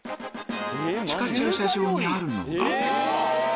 地下駐車場にあるのがうわ！